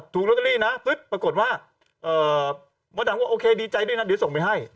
ถูกเราทะลี่ปากกดว่าเอ่อมดดำควรโอเคดีใจด้วยนะเดี๋ยวส่งไปให้